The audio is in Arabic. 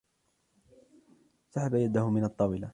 سحب يده من الطاولة.